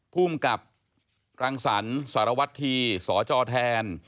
ผู้กับรังสรรซารวัตธีสจแทน